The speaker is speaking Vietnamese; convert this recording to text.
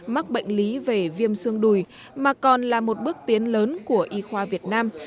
mắc bệnh lý về viêm xương đùi mà còn là một bước tiến lớn của y khoa việt nam